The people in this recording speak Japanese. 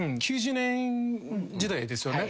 ９０年時代ですよね。